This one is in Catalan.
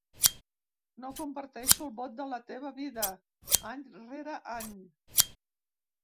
No comparteixo el ‘vot de la teva vida’ any rere any.